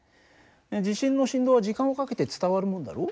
地震の振動は時間をかけて伝わるもんだろう？